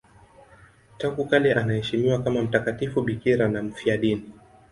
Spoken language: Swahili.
Tangu kale anaheshimiwa kama mtakatifu bikira na mfiadini.